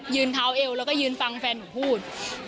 เท้าเอวแล้วก็ยืนฟังแฟนหนูพูด